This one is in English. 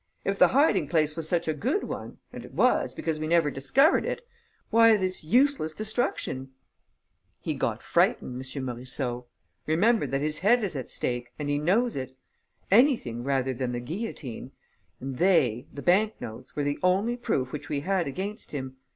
If the hiding place was such a good one and it was, because we never discovered it why this useless destruction?" "He got frightened, M. Morisseau. Remember that his head is at stake and he knows it. Anything rather than the guillotine; and they the bank notes were the only proof which we had against him.